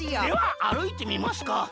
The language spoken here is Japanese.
ではあるいてみますか。